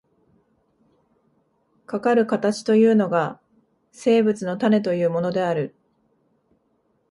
かかる形というのが、生物の種というものである。